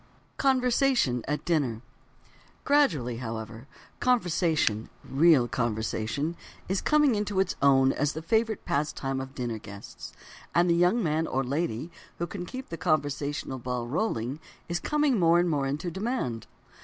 CONVERSATION AT DINNER Gradually, however, conversation—real conversation—is coming into its own as the favorite pastime of dinner guests, and the young man or lady who can keep the conversational "ball" rolling is coming more and more into demand.